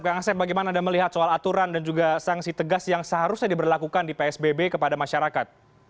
kang asep bagaimana anda melihat soal aturan dan juga sanksi tegas yang seharusnya diberlakukan di psbb kepada masyarakat